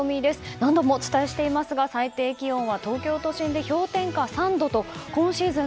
何度もお伝えしていますが最低気温は東京都心で氷点下３度と今シーズン